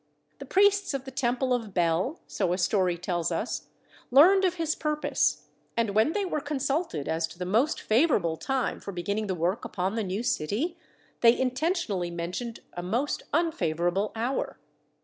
The priests of the temple of Bel, so a story tells us, learned of his purpose, and when they were consulted as to the most favourable time for beginning the work upon the new city, they intentionally mentioned a most unfavourable hour.